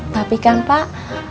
tapi kan pak